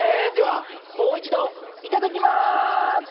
ではもういちどいただきます！